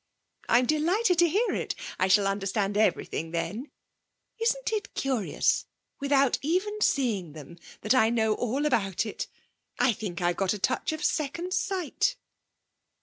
'I'm delighted to hear it. I shall understand everything then. Isn't it curious without even seeing them that I know all about it? I think I've a touch of second sight.'